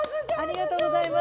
ありがとうございます。